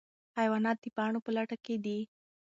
حیوانات د پاڼو په لټه کې دي.